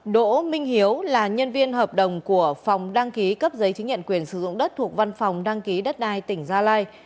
đỗ minh hiếu là nhân viên hợp đồng của phòng đăng ký cấp giấy chứng nhận quyền sử dụng đất thuộc văn phòng đăng ký đất đai tỉnh gia lai